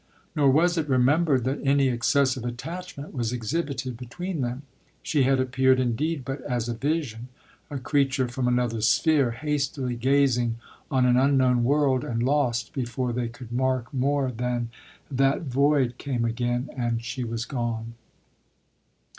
Nor was it remembered that any excessive attachment was exhibited between them. She had appeared indeed but as a vision — a creature from an other sphere, hastily gazing on an unknown world, and lost before they could mark more than that void came again, and she was gone. LODORE.